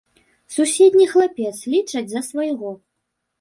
Суседні хлапец, лічаць за свайго.